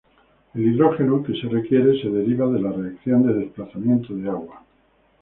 El hidrógeno que se requiere se deriva de la reacción de desplazamiento de agua.